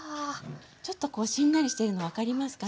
ちょっとこうしんなりしているの分かりますかね？